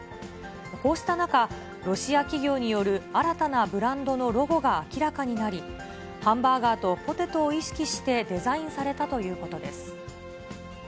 こうした中、ロシア企業による新たなブランドのロゴが明らかになり、ハンバーガーとポテトを意識してデザインされたということです。